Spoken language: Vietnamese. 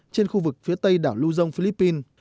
trên khu vực phía tây đảo lưu dông philippines